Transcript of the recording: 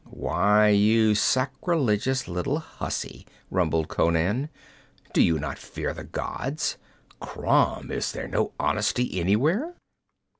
'Why, you sacrilegious little hussy!' rumbled Conan. 'Do you not fear the gods? Crom! is there no honesty anywhere?'